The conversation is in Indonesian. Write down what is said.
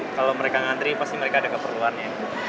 kalau mereka ngantri pasti mereka ada keperluannya